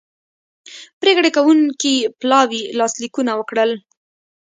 پریکړې کوونکي پلاوي لاسلیکونه وکړل